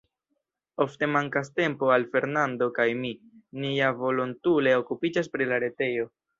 Ofte mankas tempo al Fernando kaj mi; ni ja volontule okupiĝas pri la retejo.